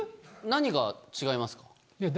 何が違いますか？